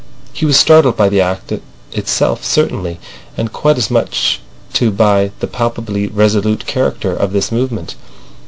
He was startled by the act itself certainly, and quite as much too by the palpably resolute character of this movement.